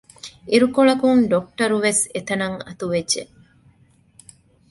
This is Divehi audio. އިރުކޮޅަކުން ޑޮކްޓަރުވެސް އެތަނަށް އަތުވެއްޖެ